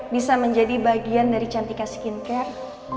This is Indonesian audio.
bisa menjadi bagian dari cantika skincare